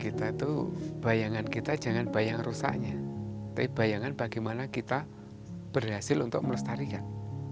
kita itu bayangan kita jangan bayang rusaknya tapi bayangan bagaimana kita berhasil untuk melestarikan